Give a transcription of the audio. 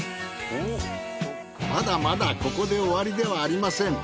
まだまだここで終わりではありません。